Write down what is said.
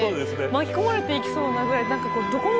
巻き込まれていきそうなぐらい。